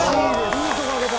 いいとこ開けた。